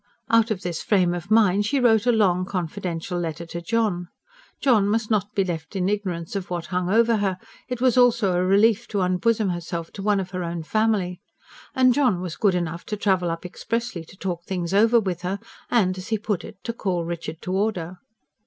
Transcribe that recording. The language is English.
Out of this frame of mind she wrote a long, confidential letter to John: John must not be left in ignorance of what hung over her; it was also a relief to unbosom herself to one of her own family. And John was good enough to travel up expressly to talk things over with her, and, as he put it, to "call Richard to order."